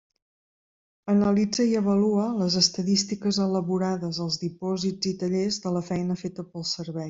Analitza i avalua les estadístiques elaborades als dipòsits i tallers de la feina feta pel Servei.